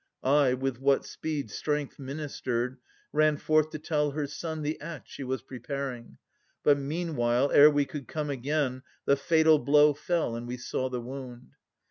I, with what speed Strength ministered, ran forth to tell her son The act she was preparing. But meanwhile, Ere we could come again, the fatal blow Fell, and we saw the wound.